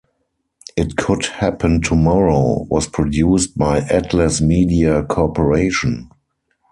"It Could Happen Tomorrow" was produced by Atlas Media Corporation.